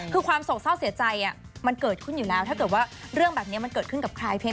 คือความโศกเศร้าเสียใจมันเกิดขึ้นอยู่แล้วถ้าเกิดว่าเรื่องแบบนี้มันเกิดขึ้นกับคลายเพชร